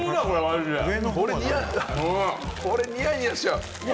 俺、ニヤニヤしちゃう！